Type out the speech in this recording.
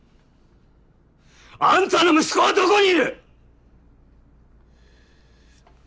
アンタの息子はどこにいる！？